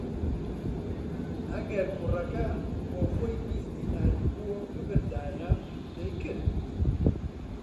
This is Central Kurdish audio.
ئەگەر کوڕەکە بۆ خۆی بیست دیناری بۆ ببردایە دەیکرد